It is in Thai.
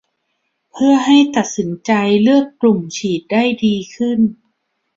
เพื่อให้ตัดสินใจเลือกกลุ่มฉีดได้ดีขึ้น